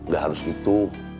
gak harus gitu